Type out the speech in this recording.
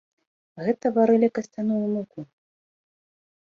Гэта варылі касцяную муку.